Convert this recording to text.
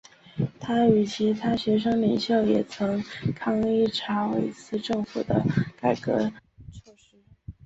他与其他学生领袖也曾抗议查韦斯政府的改革措施。